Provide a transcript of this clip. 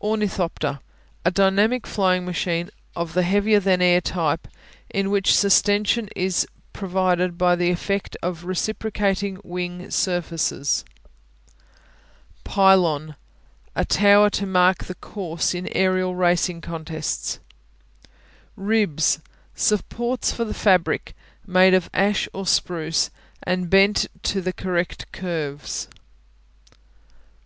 Ornithopter A dynamic flying machine of the heavier than air type, in which sustension is provided by the effect of reciprocating wing surfaces. Pylon A tower to mark the course in aerial racing contests. Ribs Supports for the fabric, made of ash or spruce and bent to the correct curves.